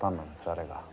あれが。